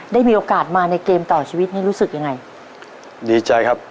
ได้มีโอกาสมาในเกมต่อชีวิตนี้รู้สึกยังไงดีใจครับ